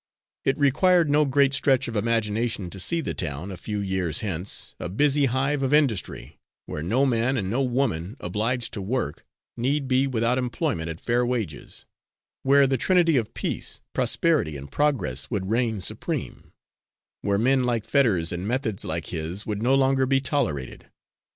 It required no great stretch of imagination to see the town, a few years hence, a busy hive of industry, where no man, and no woman obliged to work, need be without employment at fair wages; where the trinity of peace, prosperity and progress would reign supreme; where men like Fetters and methods like his would no longer be tolerated.